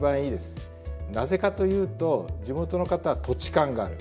なぜかというと地元の方は土地勘がある。